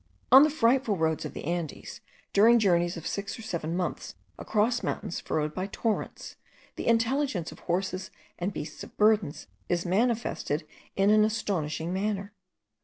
On the frightful roads of the Andes, during journeys of six or seven months across mountains furrowed by torrents, the intelligence of horses and beasts of burden is manifested in an astonishing manner.